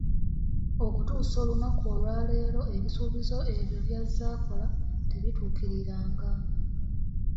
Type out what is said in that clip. Okutuusa olunaku lwaleero ebisuubizo ebyo by'azze akola, tebituukiriranga.